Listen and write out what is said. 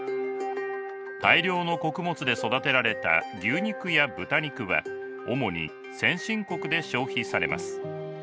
大量の穀物で育てられた牛肉や豚肉は主に先進国で消費されます。